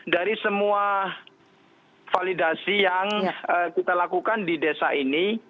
dari semua validasi yang kita lakukan di desa ini